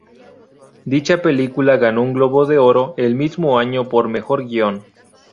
Dicha película ganó un Globo de Oro el mismo año por mejor guion.